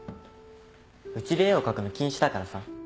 うちで絵を描くの禁止だからさ。